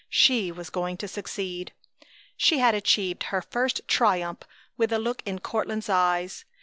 She was going to succeed. She had achieved her first triumph with the look in Courtland's eyes.